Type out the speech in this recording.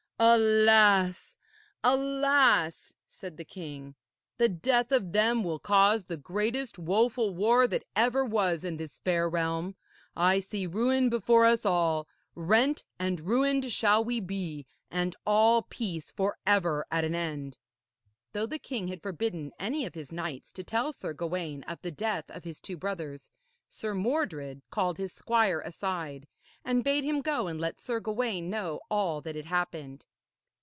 'Alas! alas!' said the king. 'The death of them will cause the greatest woful war that ever was in this fair realm. I see ruin before us all rent and ruined shall we be, and all peace for ever at an end.' Though the king had forbidden any of his knights to tell Sir Gawaine of the death of his two brothers, Sir Mordred called his squire aside, and bade him go and let Sir Gawaine know all that had happened.